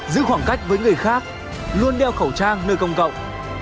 giữ khoảng cách với người khác luôn đeo khẩu trang nơi công cộng